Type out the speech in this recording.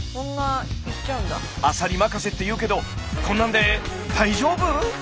「アサリまかせ」って言うけどこんなんで大丈夫？